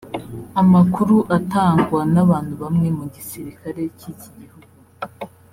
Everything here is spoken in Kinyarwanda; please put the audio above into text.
Amakuru atangwa n’abantu bamwe mu gisirikare cy’iki gihugu